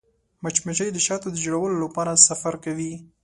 مچمچۍ د شاتو د جوړولو لپاره سفر کوي